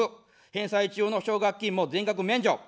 返済中の奨学金も全額免除。